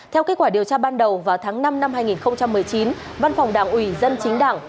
theo kết quả điều tra ban đầu vào tháng năm năm hai nghìn một mươi chín văn phòng đảng ủy dân chính đảng